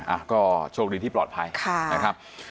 อ่ะก็โชคดีที่ปลอดภัยค่ะนะครับ